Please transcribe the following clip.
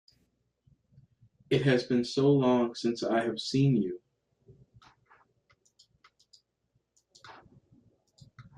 It has been so long since I have seen you!